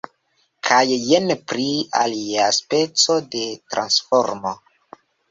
Kaj jen pri alia speco de transformo.